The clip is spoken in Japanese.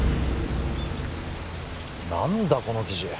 何だこの記事！？